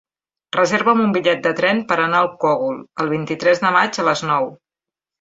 Reserva'm un bitllet de tren per anar al Cogul el vint-i-tres de maig a les nou.